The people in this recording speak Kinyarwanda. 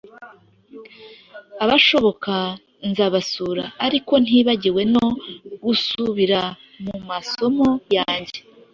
Abashoboka nzabasura ariko ntibagiwe no gusubira mu masomo yange.